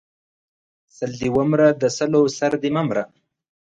سل دې و مره، د سلو سر دې مه مره!